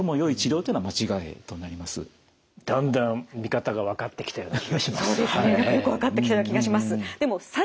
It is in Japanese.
そうですね。よく分かってきたような気がします。